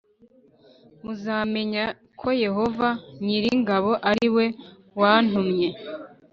Muzamenya ko Yehova nyir’ ingabo ari we wantumye